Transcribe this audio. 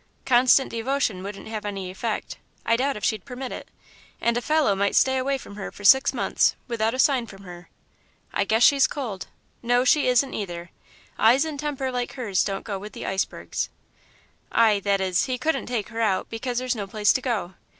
Constant devotion wouldn't have any effect I doubt if she'd permit it; and a fellow might stay away from her for six months, without a sign from her. I guess she's cold no, she isn't, either eyes and temper like hers don't go with the icebergs. "I that is, he couldn't take her out, because there's no place to go.